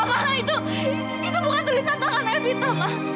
mama itu bukan tulisan tangan evita ma